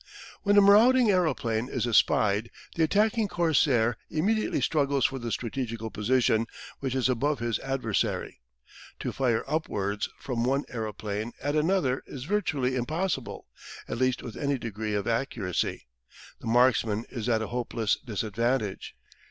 When a marauding aeroplane is espied the attacking corsair immediately struggles for the strategical position, which is above his adversary. To fire upwards from one aeroplane at another is virtually impossible, at least with any degree of accuracy. The marksman is at a hopeless disadvantage.